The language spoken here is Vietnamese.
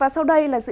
sau đây là dự báo